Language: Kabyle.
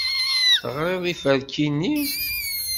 Teɣriḍ iferki-nni?